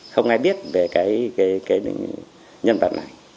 không ai biết về cái nhân vật này